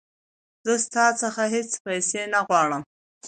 زه ستا څخه هیڅ پیسې نه غواړم.